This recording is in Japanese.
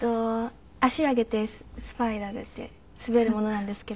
足上げてスパイラルって滑るものなんですけど。